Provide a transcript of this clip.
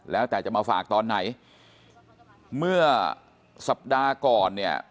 แล้วแต่จะมาฝากตอนไหนเมื่อสัปดาห์ก่อนเนี่ย